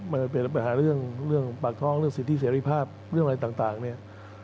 มันเป็นปัญหาเรื่องปากท้องเรื่องสิทธิเสรีภาพเรื่องอะไรต่างเนี่ย